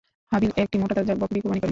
হাবীল একটি মোটা-তাজা বকরী কুরবানী করেন।